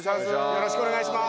よろしくお願いします！